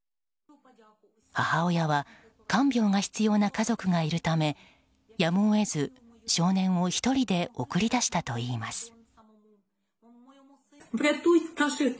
母親は看病が必要な家族がいるためやむを得ず少年を１人で送り出したといいます。